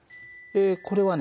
これはね